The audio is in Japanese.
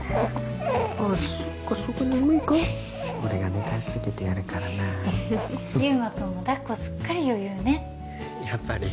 ああそうか眠いか俺が寝かしつけてやるからな祐馬くんもだっこすっかり余裕ねやっぱり？